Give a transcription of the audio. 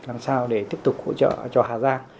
làm sao để tiếp tục hỗ trợ cho hà giang